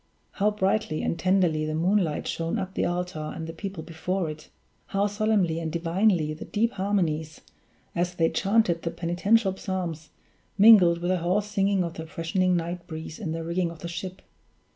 How brightly and tenderly the moonlight shone upon the altar and the people before it! how solemnly and divinely the deep harmonies, as they chanted the penitential Psalms, mingled with the hoarse singing of the freshening night breeze in the rigging of the ship!